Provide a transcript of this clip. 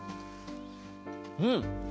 うん！